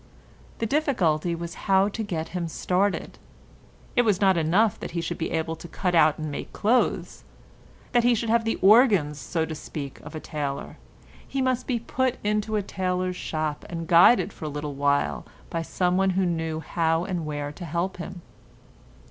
The difficulty was how to get him started. It was not enough that he should be able to cut out and make clothes—that he should have the organs, so to speak, of a tailor; he must be put into a tailor's shop and guided for a little while by someone who knew how and where to help him.